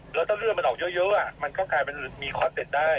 แล้วถ้าเลือดมันออกเยอะมันก็กลายเป็นมีคอสเต็ดได้